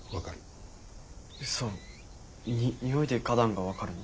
うそ。に匂いで花壇が分かるの？